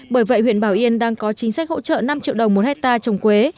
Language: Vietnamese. bởi vậy huyện bảo yên đang có chính sách hỗ trợ năm triệu đồng một hectare trồng quế